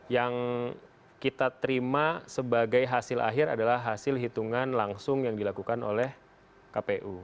yang kita terima sebagai hasil akhir adalah hasil hitungan langsung yang dilakukan oleh kpu